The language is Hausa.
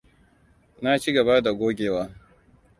Na ci gaba da gogewa.